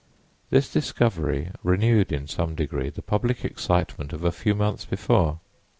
This discovery renewed, in some degree, the public excitement of a few months before.